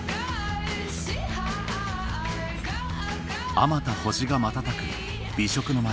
あまた星が瞬く美食の街